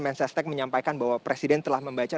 mensesnek menyampaikan bahwa presiden telah membaca